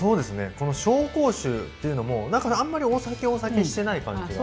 この紹興酒っていうのも何かあんまりお酒お酒してない感じがして。